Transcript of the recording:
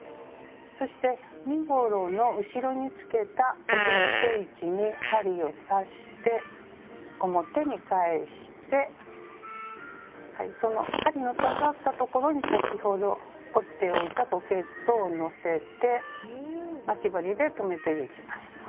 そして身ごろの後ろにつけたポケット位置に針を刺して表に返してはいその針の刺さった所に先ほど折っておいたポケットを載せて待ち針で留めてゆきます。